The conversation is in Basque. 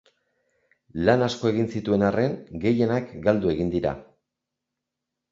Lan asko egin zituen arren, gehienak galdu egin dira.